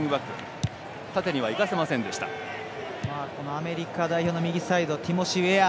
アメリカ代表の右サイドティモシー・ウェア。